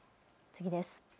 次です。